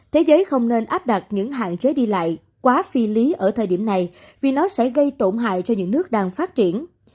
thế giới không nên áp đặt những hạn chế đi lại quá phi lý ở thời điểm này vì nó sẽ gây tổn hại cho những nước đang phát triển